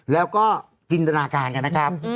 แล้วก็จินตนาการกันนะครับ